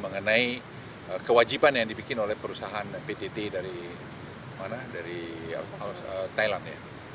mengenai kewajiban yang dibikin oleh perusahaan ptt dari thailand ya